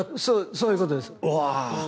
そういうことです。